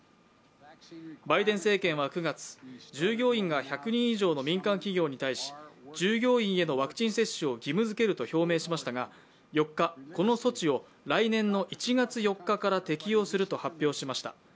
バイデン政権は９月、従業員が１００人以上の民間企業に対し従業員へのワクチン接種を義務づけると表明しましたが４日、この措置を来年の１月４日から適用すると発表しました。